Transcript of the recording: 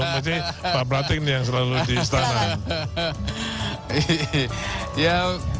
pasti pak pratik nih yang selalu di istana